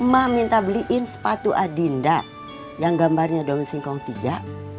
mama minta beliin sepatu adinda yang gambarnya dong singkong tiga